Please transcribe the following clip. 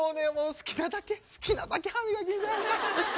好きなだけ好きなだけ歯磨きんさい。